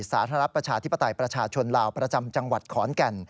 สาธารณประชาธิปไตยประชาชนลาวประจำจังหวัดขอนแก่น